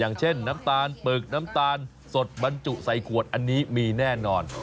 อย่างเช่นน้ำตาลปึกน้ำตาลสดบรรจุใส่ขวดอันนี้มีแน่นอน